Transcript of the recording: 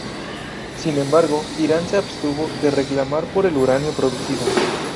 Sin embargo, Irán se abstuvo de reclamar por el uranio producido.